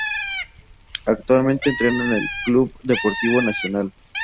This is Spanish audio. Actualmente entrena al Clube Desportivo Nacional.